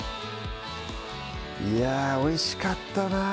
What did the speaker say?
いやおいしかったなぁ